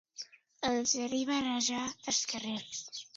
Els de Riba-roja, esquerrers.